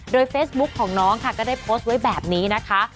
โดยเฟซบุ๊กของน้องค่ะก็ได้โพสต์ไว้แบบนี้นะคะ